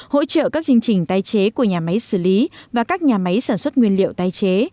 hỗ trợ các chương trình tái chế của nhà máy xử lý và các nhà máy sản xuất nguyên liệu tái chế